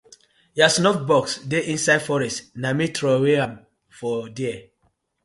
Yur snuff bosx dey inside forest, na me trow am for there.